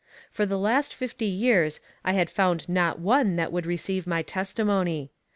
For the last fifty years I had found not one that would receive my testimony.